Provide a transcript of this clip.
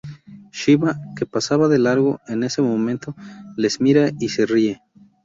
Shiva, que pasaba de largo en ese momento, les mira y se ríe.